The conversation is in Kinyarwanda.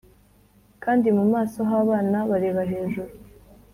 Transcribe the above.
kandi mu maso h'abana bareba hejuru